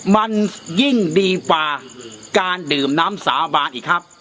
มันยิ่งดีกว่าการดื่มน้ำสาบานอีกครับ